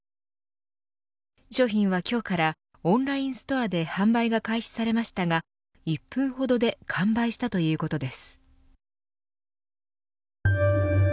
消費は今日からオンラインストアで販売が開始されましたが１分ほどで完売したということです。